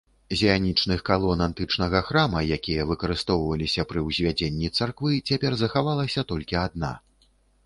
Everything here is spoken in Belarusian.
З іанічных калон антычнага храма, якія выкарыстоўваліся пры ўзвядзенні царквы, цяпер захавалася толькі адна.